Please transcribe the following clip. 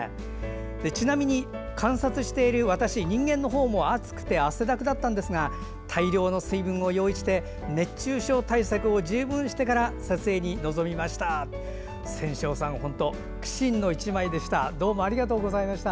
ちなみに観察している私、人間のほうも暑くて汗だくだったんですが大量の水分を用意して熱中症対策をしっかりしてから撮影に臨みました。